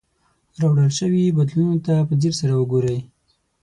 راوړل شوي بدلونونو ته په ځیر سره وګورئ.